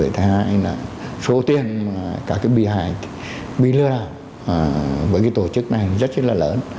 thứ hai là số tiền các bị hại bị lừa với tổ chức này rất rất là lớn